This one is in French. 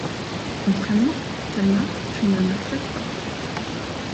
Vraiment, Talma, tu ne me flattes pas ?